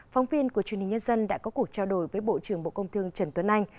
phóng viên của truyền hình nhân dân đã có cuộc trao đổi với bộ trưởng bộ công thương trần tuấn anh